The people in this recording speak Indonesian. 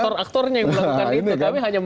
karena aktor aktornya yang melakukan itu